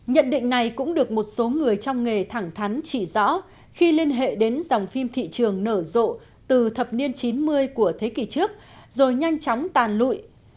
nhận định này cũng được một số người trong nghề thẳng thắn chỉ rõ khi liên hệ đến dòng phim thị trường nở rộ từ thập niên chín mươi của thế kỷ trước rồi nhanh chóng tàn lụi